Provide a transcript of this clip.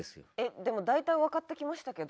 でも大体わかってきましたけど。